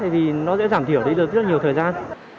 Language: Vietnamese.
vì nó sẽ giảm thiểu được rất nhiều thời gian